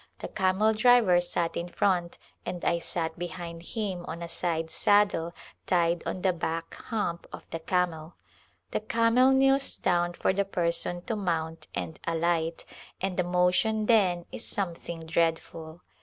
The camel driver sat in front and I sat behind him on a side saddle tied on the back hump of the camel. The camel kneels down for the person to mount and alight, and the motion then is something dreadful.